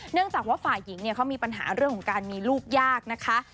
เนื่องจากว่าฝ่ายหญิงเขามีปัญหาเรื่องของการมีลูกยากนะคะ